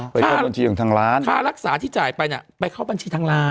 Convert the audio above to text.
เข้าบัญชีของทางร้านค่ารักษาที่จ่ายไปเนี่ยไปเข้าบัญชีทางร้าน